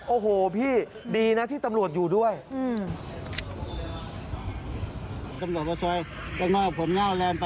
โอ้โหพี่ดีนะที่ตำรวจอยู่ด้วยอืม